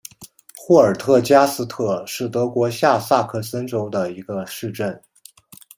霍尔特加斯特是德国下萨克森州的一个市镇。